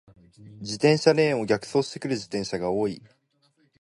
自転車レーンを逆走してくる自転車が多い。